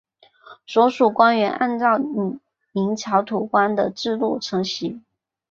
所属官员按照明朝土官的制度承袭。